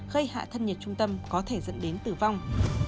gây hạ thân nhiệt trung tâm có thể dẫn đến tử vong